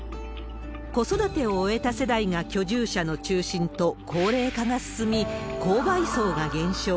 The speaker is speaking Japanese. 子育てを終えた世帯が居住者の中心と、高齢化が進み、購買層が減少。